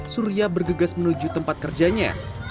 surya bergegas menuju tempat kerjanya